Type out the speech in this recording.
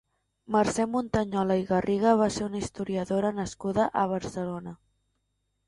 Mercè Muntanyola i Garriga va ser una historiadora nascuda a Barcelona.